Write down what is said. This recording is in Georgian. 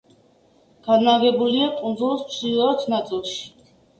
განლაგებულია კუნძულის ჩრდილოეთ ნაწილში.